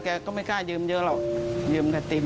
ก็ไม่กล้ายืมเยอะหรอกยืมกระติม